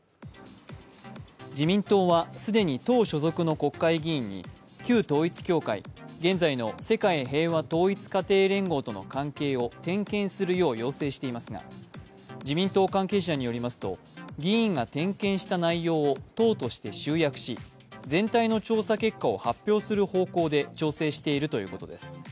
自民党は既に党所属の国会議員に旧統一教会、現在の世界統一家庭連合との関係を点検するよう要請していますが、自民党関係者によりますと、議員が点検した内容を党として集約し全体の調査結果を発表する方向で調整しているということです。